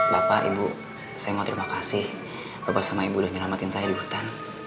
bapak ibu saya mau terima kasih bapak sama ibu udah nyelamatin saya di hutan